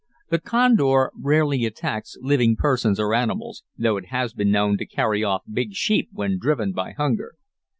The condor rarely attacks living persons or animals, though it has been known to carry off big sheep when driven by hunger.